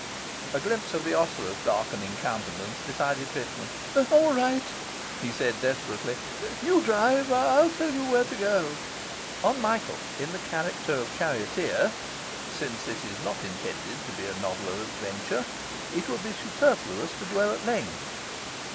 A glimpse of the ostler's darkening countenance decided Pitman. 'All right,' he said desperately, 'you drive. I'll tell you where to go.' On Michael in the character of charioteer (since this is not intended to be a novel of adventure) it would be superfluous to dwell at length.